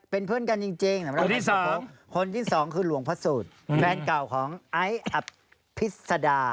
เป็นเพื่อนกันจริงคนที่สองคือหลวงพระสูรแฟนเก่าของไอ้อัพพิษฎา